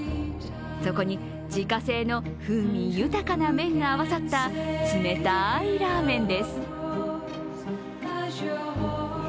そこに自家製の風味豊かな麺が合わさった冷たいラーメンです。